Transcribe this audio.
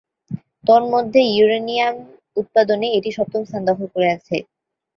তন্মধ্যে ইউরেনিয়াম উৎপাদনে এটি সপ্তম স্থান দখল করে আছে।